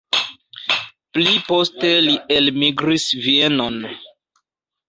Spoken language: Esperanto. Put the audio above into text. Pli poste li elmigris Vienon.